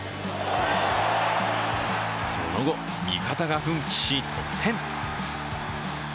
その後、味方が奮起し得点。